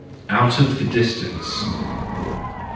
Out of the Distance .